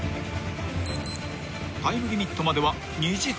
［タイムリミットまでは２時間］